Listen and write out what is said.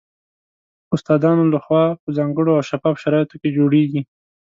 استادانو له خوا په ځانګړو او شفاف شرایطو کې جوړیږي